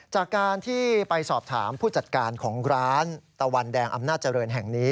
จากการที่ไปสอบถามผู้จัดการของร้านตะวันแดงอำนาจเจริญแห่งนี้